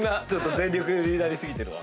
全力になり過ぎてるわ。